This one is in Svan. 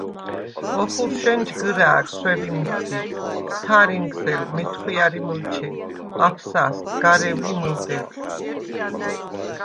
ოხურშვენ ჯგჷრა̄̈გ – სვევი მუჰვდი, თა̈რინგზელ – მეთხვია̈რი მჷლჩე, აფსასდ – გარევლი მჷლდეღ.